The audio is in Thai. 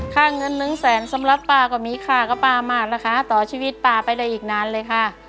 ค่าเงินหนึ่งแสนสำหรับป้าก็มีค่ากับป้ามากนะคะต่อชีวิตป้าไปได้อีกนานเลยค่ะ